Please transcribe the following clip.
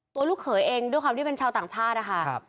ลูกเขยเองด้วยความที่เป็นชาวต่างชาตินะคะ